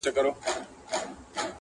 غوجله لا هم خاموشه ده ډېر,